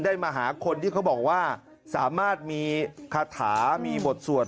มาหาคนที่เขาบอกว่าสามารถมีคาถามีบทสวด